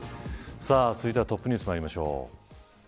続いてはトップニュースにまいりましょう。